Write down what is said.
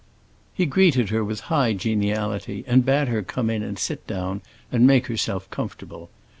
He greeted her with high geniality and bade her come in and sit down and make herself comfortable.